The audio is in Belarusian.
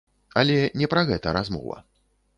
Але не пра гэта размова.